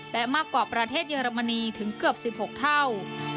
และมากกว่าประเทศเยอรมนีถึงเกือบ๑๖เท่า